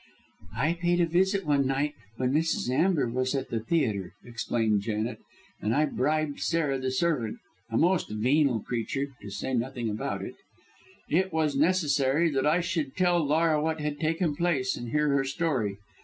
"I paid a visit one night when Mrs. Amber was at the theatre," explained Janet, "and I bribed Sarah, the servant a most venal creature to say nothing about it. It was necessary that I should tell Laura what had taken place, and hear her story.